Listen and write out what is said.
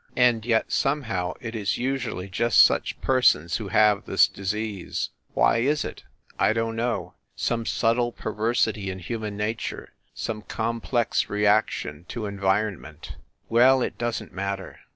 And yet, somehow, it is usually just such persons who have this disease. Why is it? I don t know some subtle perversity in human nature, some complex reaction to environ ment well, it doesn t matter.